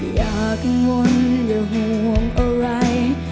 อย่ากังวลอย่าห่วงอะไร